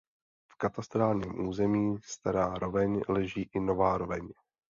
V katastrálním území Stará Roveň leží i Nová Roveň.